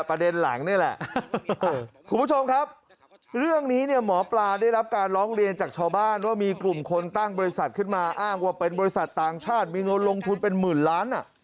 ประเด็นหลังนี่แหละคุณผู้ชมครับเรื่องนี้เนี่ยหมอปลาได้รับการร้องเรียนจากชาวบ้านว่ามีกลุ่มคนตั้งบริษัทขึ้นมาอ้างว่าเป็นบริษัทต่างชาติมีเงินลงทุนเป็นหมื่นล้าน